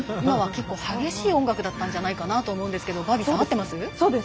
今は結構激しい音楽だったんじゃないかなと思うんですがバービーさん、合ってます？